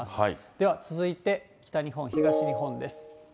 では、続いて北日本、東日本です。